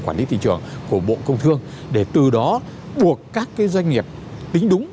quản lý thị trường của bộ công thương để từ đó buộc các doanh nghiệp tính đúng